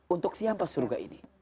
untuk siapa surga ini